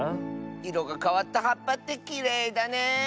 いろがかわったはっぱってきれいだね！